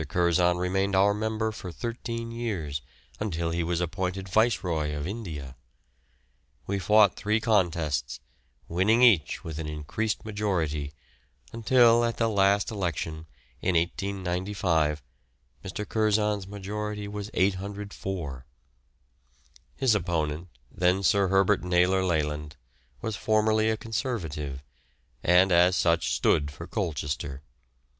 Curzon remained our member for thirteen years, until he was appointed Viceroy of India. We fought three contests, winning each with an increased majority, until at the last election, in 1895, Mr. Curzon's majority was 804. His opponent, then Sir Herbert Naylor Leyland, was formerly a Conservative, and as such stood for Colchester.